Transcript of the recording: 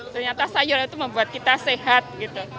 ternyata sayur itu membuat kita sehat gitu